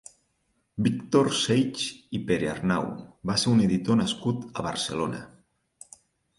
Víctor Seix i Perearnau va ser un editor nascut a Barcelona.